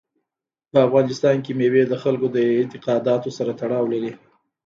په افغانستان کې مېوې د خلکو د اعتقاداتو سره تړاو لري.